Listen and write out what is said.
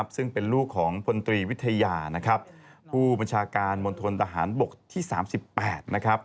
ซึ่งเป็นลูกของพลตรีวิทยานะครับผู้บริชาการมนตรต่าฮารบกที่สามสิบแปดนะครับ